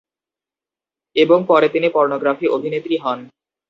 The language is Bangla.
এবং পরে তিনি পর্নোগ্রাফি অভিনেত্রী হন।